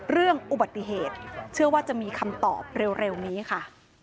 เรื่องอุบัติเหตุเชื่อว่าจะมีคำตอบเร็วนี้ค่ะ